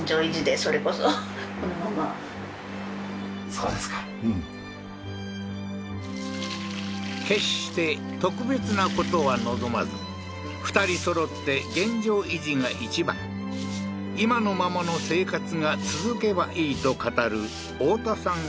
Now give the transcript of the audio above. そうですかうん決して特別なことは望まず２人そろって現状維持が一番今のままの生活が続けばいいと語る太田さん